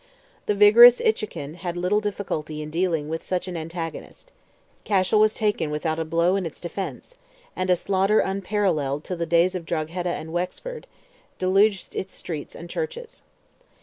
The vigorous Inchiquin had little difficulty in dealing with such an antagonist; Cashel was taken without a blow in its defence, and a slaughter unparalleled till the days of Drogheda and Wexford, deluged its streets and churches.